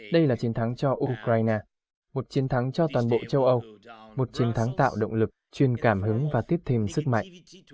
đây là chiến thắng cho ukraine một chiến thắng cho toàn bộ châu âu một chiến thắng tạo động lực chuyên cảm hứng và tiếp thêm sức mạnh